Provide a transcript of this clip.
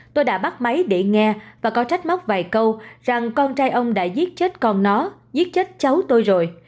tôi đã bắt máy để nghe và có trách móc vài câu rằng con trai ông đã giết chết còn nó giết chết cháu tôi rồi